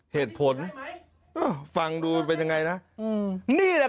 เพราะว่าเงินใช้จ่ายในบ้านไม่มีแล้ว